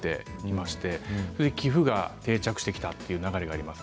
そして、寄付が定着したという流れがあります。